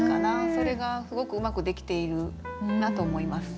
それがすごくうまくできているなと思います。